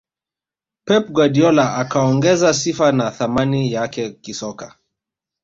pep guardiola akaongeza sifa na thamani yake kisoka